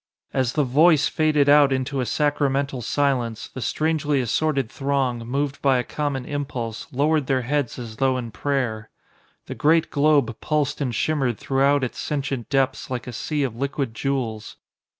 As the Voice faded out into a sacramental silence, the strangely assorted throng, moved by a common impulse, lowered their heads as though in prayer. The great globe pulsed and shimmered throughout its sentient depths like a sea of liquid jewels.